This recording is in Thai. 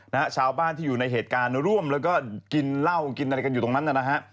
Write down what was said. นะฮะชาวบ้านที่อยู่ในเหตุการณ์ร่วมแล้วก็กินเหล้ากินอะไรกันอยู่ตรงนั้นนะฮะ